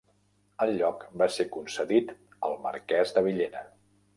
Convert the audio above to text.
El lloc va ser concedit al Marquès de Villena.